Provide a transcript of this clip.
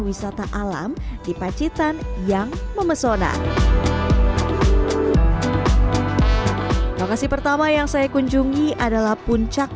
wisata alam di pacitan yang memesona lokasi pertama yang saya kunjungi adalah puncak